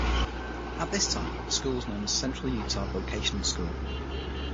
At this time, the school was known as Central Utah Vocational School.